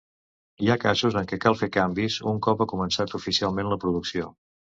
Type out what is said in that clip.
Hi ha casos en què cal fer canvis un cop ha començat oficialment la producció.